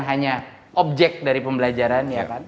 hanya objek dari pembelajaran